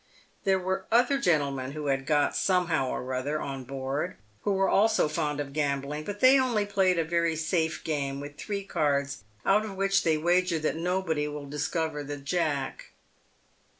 There were other gentlemen who had got,"somehow or other, on board, who were also fond of gambling ; but they only played a very safe game with three cards, out of w r hich they wager that nobody will discover the jack.